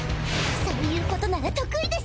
そういうことなら得意です。